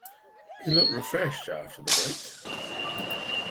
He looked fresher after the break.